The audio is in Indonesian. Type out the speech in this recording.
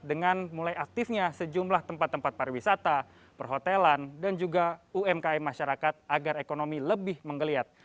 dengan mulai aktifnya sejumlah tempat tempat pariwisata perhotelan dan juga umkm masyarakat agar ekonomi lebih menggeliat